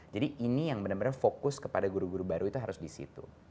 jadi ini yang benar benar fokus kepada guru guru baru itu harus di situ